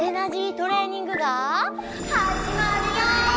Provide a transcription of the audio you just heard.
トレーニングがはじまるよ！